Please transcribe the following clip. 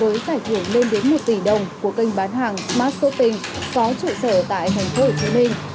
với giải thưởng lên đến một tỷ đồng của kênh bán hàng marketing có trụ sở tại thành phố hồ chí minh